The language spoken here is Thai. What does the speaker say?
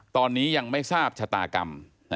ตอนนี้ยังไม่ทราบชะตากรรม